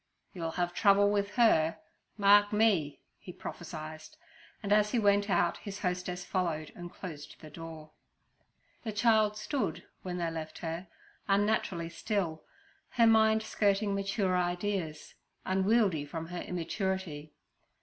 'You'll have trouble with her, mark me' he prophesied; and as he went out his hostess followed and closed the door. The child stood, when they left her, unnaturally still, her mind skirting mature ideas, unwieldy from her immaturity.